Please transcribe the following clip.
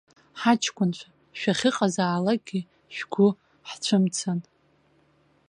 Ҳаҷкәынцәа, шәахьыҟазаалак, шәгәы ҳцәымцан.